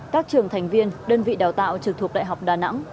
các trường thành viên đơn vị đào tạo trực thuộc đại học đà nẵng